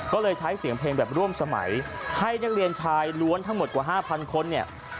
ก็เลยใช้เสียงเพลงแบบร่วมสมัยให้นักเรียนชายล้วนทั้งหมดกว่า๕๐๐คนเนี่ย